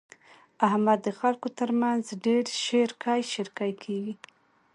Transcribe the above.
احمد د خلګو تر مخ ډېر شېرکی شېرکی کېږي.